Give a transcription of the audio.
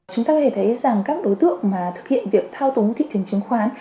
chúng ta có thể thấy rằng các đối tượng mà thực hiện việc thao túng thị trường chứng khoán